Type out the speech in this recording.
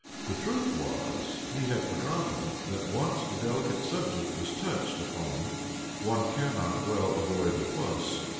The truth was he had forgotten that, once a delicate subject is touched, upon, one cannot well avoid a fuss.